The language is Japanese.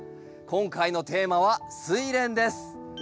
今回のテーマはスイレンです。